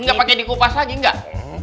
nggak pake di kupas lagi nggak